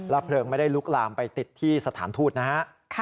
เพลิงไม่ได้ลุกลามไปติดที่สถานทูตนะฮะ